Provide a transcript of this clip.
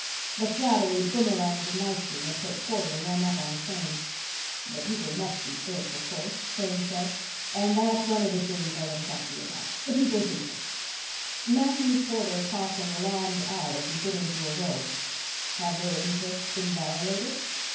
The flattery boomeranged nicely and put Porter one up on Crane. "The people must be served, of course," Crane said, "and that's one of the things I want to talk to you about. The people's interests." Matthew Porter cocked an alarmed eye as he bit into a roll. "Have their interests been violated?"